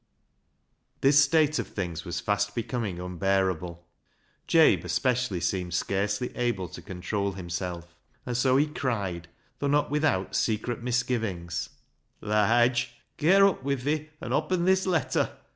This state of things was fast becoming un bearable. Jabe especially seemed scarcely able to control himself, and so he cried, though not without secret misgivings —" Lige, ger up wi' thi an' oppen this letter.